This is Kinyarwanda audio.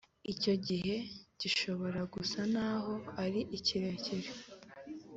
Icyo gihe gishobora gusa n aho ari kirekire